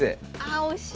あ惜しい。